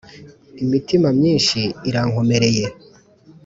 Imitima myinshi irankomereye :